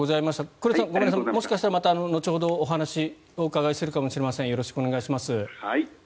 黒井さん、もしかしたらまた後ほどお話をお伺いするかもしれませんよろしくお願いします。